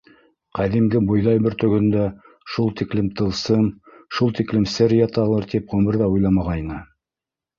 Ҡәҙимге бойҙай бөртөгөндә шул тиклем тылсым, шул тиклем сер яталыр тип ғүмерҙә уйламағайны.